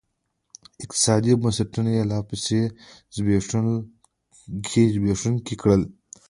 اقتصادي بنسټونه یې لاپسې زبېښونکي کړل.